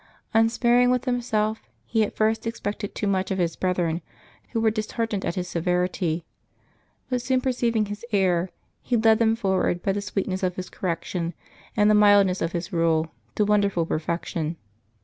Unsparing with himself, he at first expected too much of his brethren, who were disheartened at his severity; but soon perceiving his error, he led them forward, by the sweetness of his correction and the mild ness of his rule, to wonderful perfection.